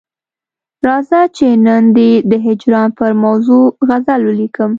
راځه چې نن دي د هجران پر موضوع غزل ولیکم.